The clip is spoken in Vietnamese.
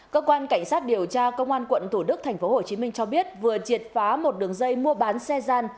cơ quan cảnh sát điều tra công an quận thủ đức tp hcm cho biết vừa triệt phá một đường dây mua bán xe gian